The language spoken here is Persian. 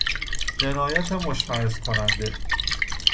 جنایت مشمئز کننده